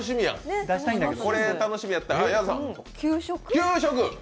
給食？